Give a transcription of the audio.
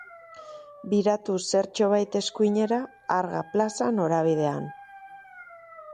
Biratu zertxobait eskuinera Arga plaza norabidean.